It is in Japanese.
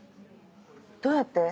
どうやって？